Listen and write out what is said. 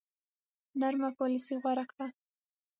نرمه پالیسي غوره کړه.